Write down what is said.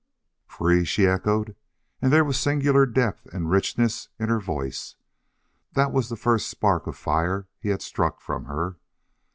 "Free!" she echoed, and there was singular depth and richness in her voice. That was the first spark of fire he had struck from her.